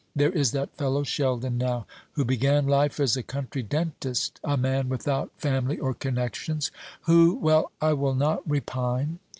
There is that fellow Sheldon, now, who began life as a country dentist, a man without family or connections, who well, I will not repine.